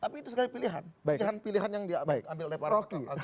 tapi itu sekali pilihan pilihan pilihan yang dia ambil dari para hakim